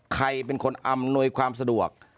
ใครเป็นคนอำนวยความสะดวก